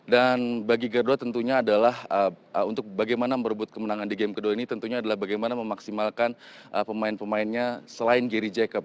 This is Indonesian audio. bagi garuda tentunya adalah untuk bagaimana merebut kemenangan di game kedua ini tentunya adalah bagaimana memaksimalkan pemain pemainnya selain gary jacob